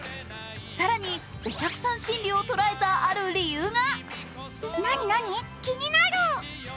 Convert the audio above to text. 更に、お客さん心理を捉えたある理由が。